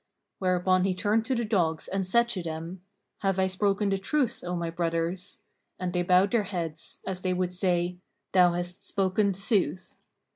Whereupon he turned to the dogs and said to them, "Have I spoken the truth, O my brothers?" And they bowed their heads, as they would say, "Thou hast spoken sooth."